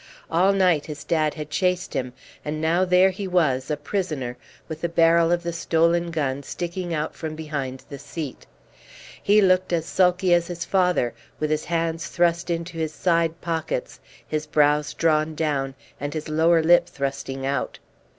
All night his dad had chased him, and now there he was, a prisoner, with the barrel of the stolen gun sticking out from behind the seat. He looked as sulky as his father, with his hands thrust into his side pockets, his brows drawn down, and his lower lip thrusting out.